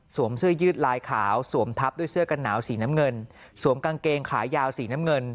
เสื้อยืดลายขาวสวมทับด้วยเสื้อกันหนาวสีน้ำเงินสวมกางเกงขายาวสีน้ำเงิน